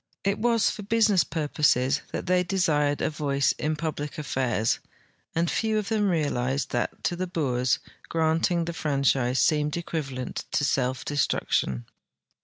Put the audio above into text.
* It was for business purposes that they desired a voice in puldic affairs, and few of them realized that, to the Boers, granting the franchise seemed equivalent to self destruction.